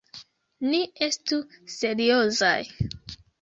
Ni estu seriozaj!